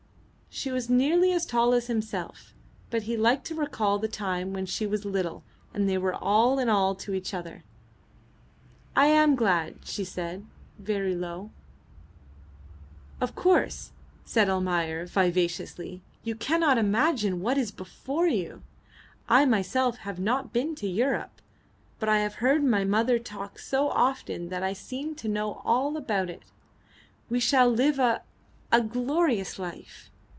She was nearly as tall as himself, but he liked to recall the time when she was little and they were all in all to each other. "I am glad," she said, very low. "Of course," said Almayer, vivaciously, "you cannot imagine what is before you. I myself have not been to Europe, but I have heard my mother talk so often that I seem to know all about it. We shall live a a glorious life.